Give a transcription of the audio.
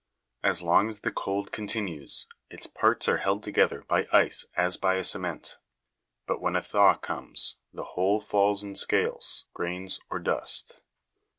As long as the cold con tinues, its parts are held together by ice as by a cement ; but when a thaw comes, the. whole falls in scales, grains, or dust.